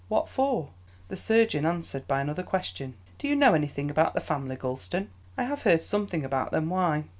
What for?" The surgeon answered by another question. "Do you know anything about the family, Gulston?" "I have heard something about them. Why?"